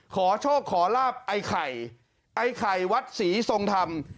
ขอโชคขอลาบไอ้ไข่ไอ้ไข่วัดศรีทรงธรรม